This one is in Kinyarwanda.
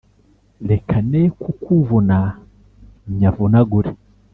reka nekukuvuna nyavunagure